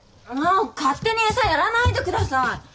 勝手に餌やらないでください！